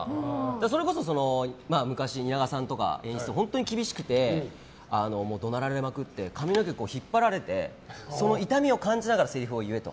それこそ昔、蜷川さんの演出が本当に厳しくて怒鳴られまくって髪の毛引っ張られてその痛みを感じながらせりふを言えと。